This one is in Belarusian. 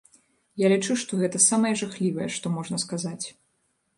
Я лічу, што гэта самае жахлівае, што можна сказаць.